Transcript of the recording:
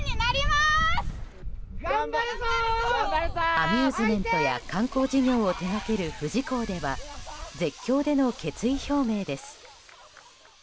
アミューズメントや観光事業を手掛けるフジコーでは絶叫での決意表明です。